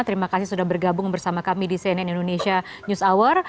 terima kasih sudah bergabung bersama kami di cnn indonesia news hour